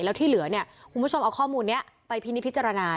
แล้วที่เหลือคุณผู้ชมเอาข้อมูลไปพินิติภิษฐรณา